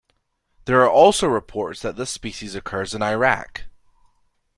There are also reports that this species occurs in Iraq.